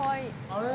あれ？